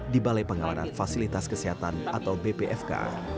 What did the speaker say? di balai pengawanan fasilitas kesehatan atau bpfk